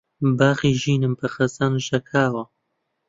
باخی ژینم بە خەزان ژاکاوە